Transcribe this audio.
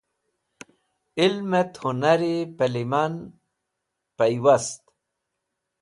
Ilmẽt hũnari pẽ lẽman pẽywast?